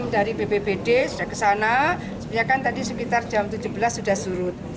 dari bppd sudah ke sana kan tadi sekitar jam tujuh belas sudah surut